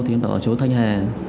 thì em bảo ở chỗ thanh hà